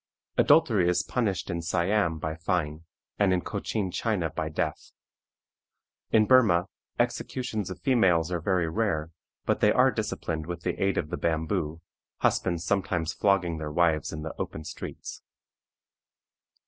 Adultery is punished in Siam by fine, and in Cochin China by death. In Burmah executions of females are very rare, but they are disciplined with the aid of the bamboo, husbands sometimes flogging their wives in the open streets.